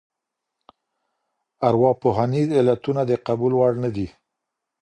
ارواپوهنیز علتونه د قبول وړ نه دي.